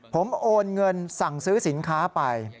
ผมโอนเงินสั่งซื้อสินค้าไป